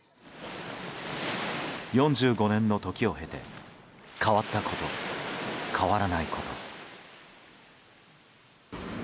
４５年の時を経て変わったこと、変わらないこと。